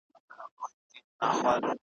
چي دروازې وي د علم بندي ,